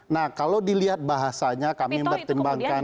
nah kalau dilihat bahasanya kami bertimbangkan